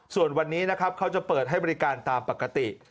ส่วนวันนี้นะครับเขาจะเปิดให้บริการตามปกติ